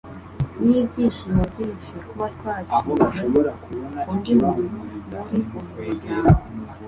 Nibyishimo byinshi kuba twakiriye undi muntu muri uyu muryango